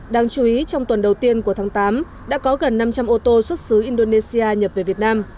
đáng chú ý trong tuần đầu tiên của tháng tám đã có gần năm trăm linh ô tô xuất xứ indonesia nhập về việt nam